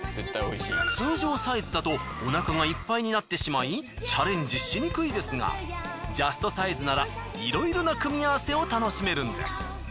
通常サイズだとおなかがいっぱいになってしまいチャレンジしにくいですがジャストサイズならいろいろな組み合わせを楽しめるんです。